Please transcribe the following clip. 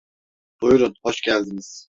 Buyurun, hoş geldiniz!